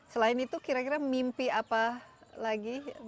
selain itu kira kira mimpi apa lagi